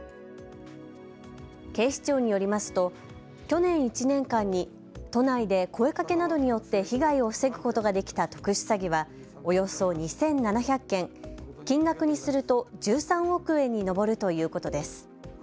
警視庁によりますと去年１年間に都内で声かけなどによって被害を防ぐことができた特殊詐欺はおよそ２７００件、金額にすると１３億円に上るということです。